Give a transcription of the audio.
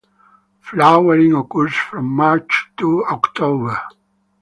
Flowering occurs from March to October.